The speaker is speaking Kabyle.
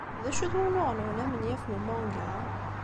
D acu-t wunuɣ-nwen amenyaf n umanga?